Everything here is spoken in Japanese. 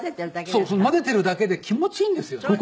そう混ぜてるだけで気持ちいいんですよね。